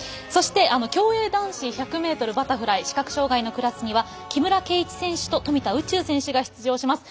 競泳男子１００ｍバタフライ視覚障がいのクラスには木村敬一選手と富田宇宙選手が出場します。